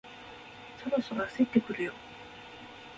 そろそろ焦ってくるよ